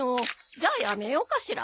じゃあやめようかしら。